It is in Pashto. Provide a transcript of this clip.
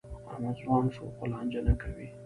احمد ځوان شو؛ خو لانجه نه کوي.